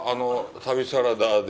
旅サラダで。